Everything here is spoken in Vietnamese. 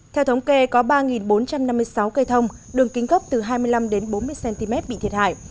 theo thống kê có ba bốn trăm năm mươi sáu cây thông đường kính gốc từ hai mươi năm đến bốn mươi cm bị thiệt hại